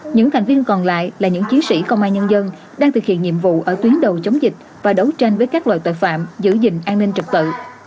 những thành viên còn lại là những chiến sĩ công an nhân dân đang thực hiện nhiệm vụ ở tuyến đầu chống dịch và đấu tranh với các loại tội phạm giữ gìn an ninh trật tự